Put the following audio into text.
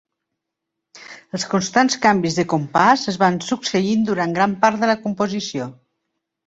Els constants canvis de compàs es van succeint durant gran part de la composició.